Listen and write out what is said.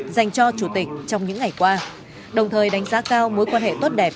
dành cho chủ tịch trong những ngày qua đồng thời đánh giá cao mối quan hệ tốt đẹp